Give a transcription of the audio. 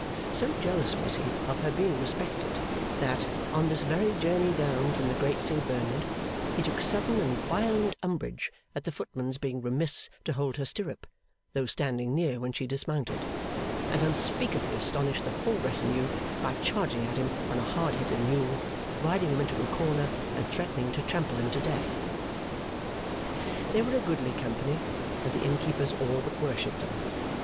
So jealous was he of her being respected, that, on this very journey down from the Great Saint Bernard, he took sudden and violent umbrage at the footman's being remiss to hold her stirrup, though standing near when she dismounted; and unspeakably astonished the whole retinue by charging at him on a hard headed mule, riding him into a corner, and threatening to trample him to death. They were a goodly company, and the Innkeepers all but worshipped them.